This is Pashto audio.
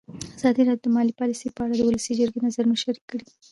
ازادي راډیو د مالي پالیسي په اړه د ولسي جرګې نظرونه شریک کړي.